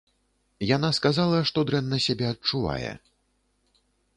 Яна сказала, што дрэнна сябе адчувае.